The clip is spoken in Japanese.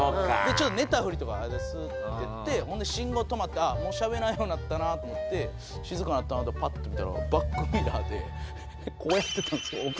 ちょっと寝たフリとか「ありがとうございます」って言ってほんで信号止まってしゃべらんようになったなと思って静かなったなと思ってパッと見たらバックミラーでこうやってたんですよ。